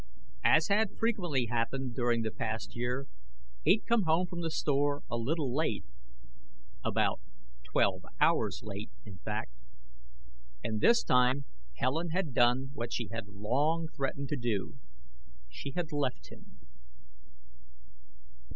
As had frequently happened during the past year, he'd come home from the store a little late ... about twelve hours late, in fact. And this time Helen had done what she had long threatened to do. She had left him.